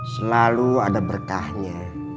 selalu ada berkahnya